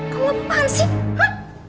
kamu ngapain sih